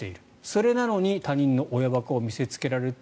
それなのに他人の親バカを見せつけられると